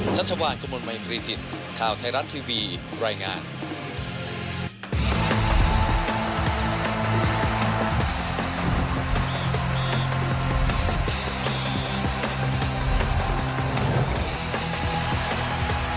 เพื่อเป็นตัวแทนประเทศไทยสร้างชื่อในวงการโลก